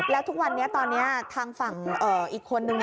แล้วทุกวันนี้ตอนนี้ทางฝั่งอีกคนนึง